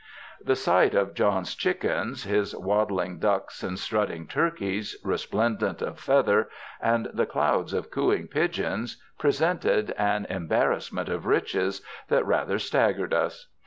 The sight of John's chickens, his waddling ducks and strutting turkeys resplendent of feather, and the clouds of cooing pigeons presented an embar rassment of riches that rather staggered us.